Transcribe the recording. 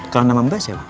kalau nama mbak siapa